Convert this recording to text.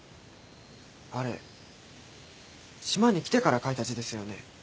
あれ島に来てから書いた字ですよね？